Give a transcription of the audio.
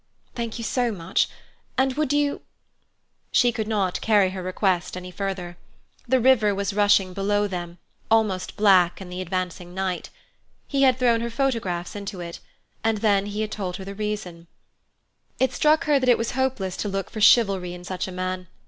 "Thank you so much. And would you—" She could not carry her request any further. The river was rushing below them, almost black in the advancing night. He had thrown her photographs into it, and then he had told her the reason. It struck her that it was hopeless to look for chivalry in such a man.